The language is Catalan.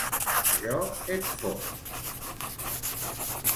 Jo et fot!